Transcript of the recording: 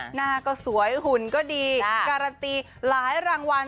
หน้าก็สวยหุ่นก็ดีการันตีหลายรางวัล